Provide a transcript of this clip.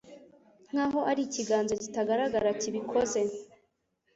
nk'aho ari ikiganza kitagaragara kibikoze,